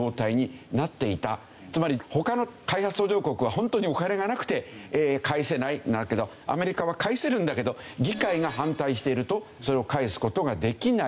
つまり他の開発途上国はホントにお金がなくて返せないんだけどアメリカは返せるんだけど議会が反対しているとそれを返す事ができない。